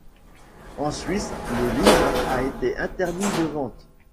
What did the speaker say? En Suisse, le livre a été interdit de vente.